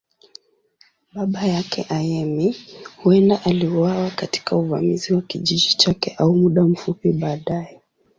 Baba yake, Ayemi, huenda aliuawa katika uvamizi wa kijiji chake au muda mfupi baadaye.